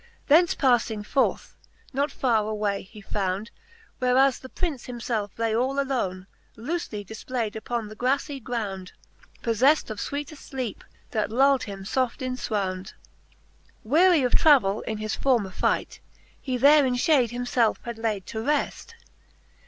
Thence pafling forth, not farre away he found, Whereas the Prince himfelfe lay all alone, Loofely difplayd, upon the graflle ground, PoffelTed of fweete fleepe, that luld him foft in fwound. XIX. Wearie of travell in his former fight, ' He there in fhade himfelfe had layd to refl.